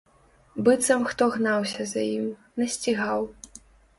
Быццам хто гнаўся за ім, насцігаў.